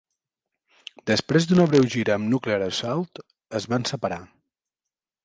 Després d'una breu gira amb Nuclear Assault, es van separar.